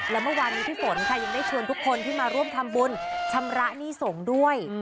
และเมื่อวานนี้พี่ฝนค่ะยังได้ชวนทุกคนที่มาร่วมทำบุญชำระหนี้สงฆ์ด้วย